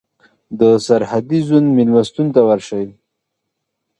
د سرحدي زون مېلمستون ته ورشئ.